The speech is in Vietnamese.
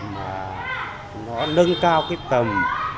mà nó nâng cao cái tầm